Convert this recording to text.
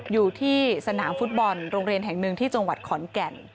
อยู่ที่สนามฟุตบอลโรงเรียนแห่งหนึ่งที่จังหวัดขอนแก่น